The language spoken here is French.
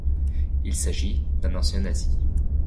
Il s'agit d'un ancien Nazi.